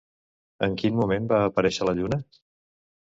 En quin moment va aparèixer la lluna?